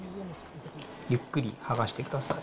ゆっくり剥がしてください。